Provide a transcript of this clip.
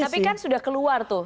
tapi kan sudah keluar tuh